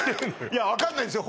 いや分かんないですよ